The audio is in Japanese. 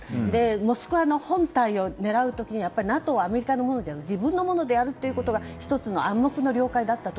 モスクワの本体を狙う時にＮＡＴＯはアメリカじゃなくて自分のものであるというのが１つの暗黙の了解だったと。